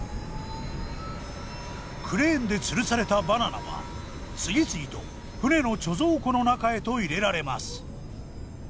クレーンでつるされたバナナは次々と船の貯蔵庫の中へと入れられます。